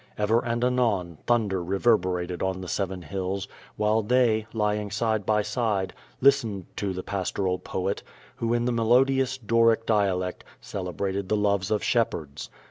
Ever and anon, thunder re verberated on the seven hills, while they, lying side by side, listened to the pastoral poet, who, in the melodious Doric dia lect, celebrated the loves of shepherds.